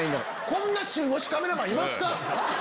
こんな中腰カメラマンいますか？